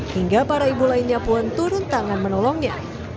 hingga para ibu lainnya pun turun tangan menolongnya